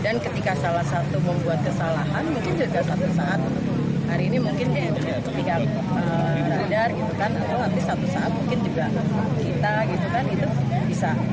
dan ketika salah satu membuat kesalahan mungkin juga satu saat hari ini mungkin ketika radar gitu kan atau nanti satu saat mungkin juga kita gitu kan itu bisa